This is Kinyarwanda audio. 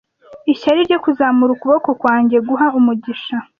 ishyari ryo kuzamura ukuboko kwanjye guha umugisha